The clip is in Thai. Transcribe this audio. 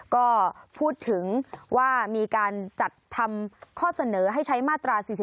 ก็พูดถึงว่ามีการจัดทำข้อเสนอให้ใช้มาตรา๔๔